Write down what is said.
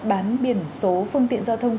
bán biển số phương tiện giao thông